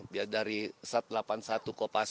biar dari satu ratus delapan puluh satu kopasgat